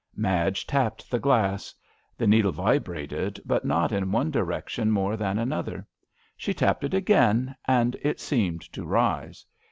Madge tapped the glass. The needle vibrated, but not in one direction more than another ; she tapped it again and it seemed to rise.